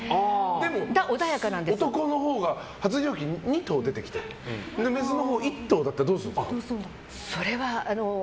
でも男のほうが発情期で２頭出てきてメスのほうは１頭だったらどうするんですか？